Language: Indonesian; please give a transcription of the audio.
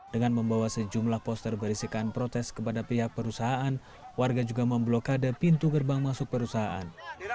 dengan membawa sejumlah poster berisikan protes kepada pihak perusahaan warga juga memblokade pintu gerbang masuk perusahaan